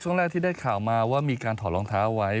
ช่วงแรกที่ได้ข่าวมาว่ามีการถอดรองเท้าไว้